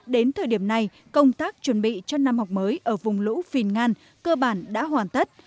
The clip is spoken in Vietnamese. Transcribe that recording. đến thời điểm này công tác chuẩn bị cho năm học mới ở vùng lũ phìn ngan cơ bản đã hoàn tất